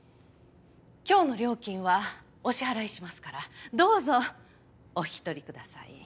今日の料金はお支払いしますからどうぞお引き取りください。